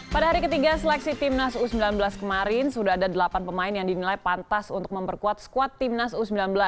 pada hari ketiga seleksi timnas u sembilan belas kemarin sudah ada delapan pemain yang dinilai pantas untuk memperkuat squad timnas u sembilan belas